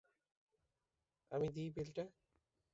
আমি দিই বিলটা।